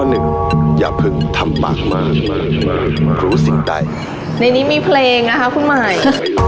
ในนี้มีเพลงนะคะผู้ใหม่